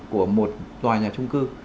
của một tòa nhà trung cư